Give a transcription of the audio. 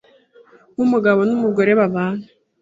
nk’umugabo n’umugore babana.”